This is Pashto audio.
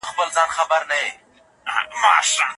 کم خوراک هم ستونزه ده.